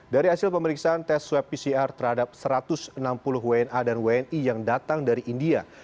dari hasil pemeriksaan tes swab pcr terhadap satu ratus enam puluh wna dan wni yang datang dari india